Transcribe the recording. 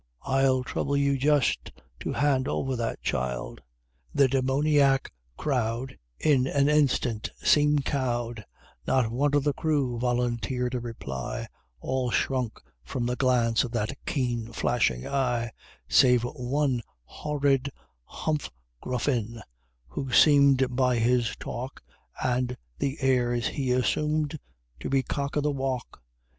I'll trouble you just to hand over that child!" The Demoniac crowd In an instant seemed cowed; Not one of the crew volunteered a reply, All shrunk from the glance of that keen flashing eye, Save one horrid Humgruffin, who seemed by his talk, And the airs he assumed, to be cock of the walk.